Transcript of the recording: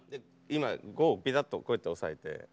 今五をピタッとこうやって押さえて。